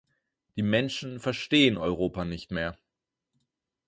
Die Menschen verstehen Europa nicht mehr.